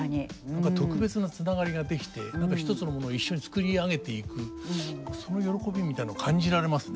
何か特別なつながりが出来て一つのものを一緒に作り上げていくその喜びみたいなの感じられますね。